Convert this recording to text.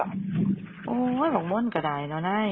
มึงคิดว่าอยากไป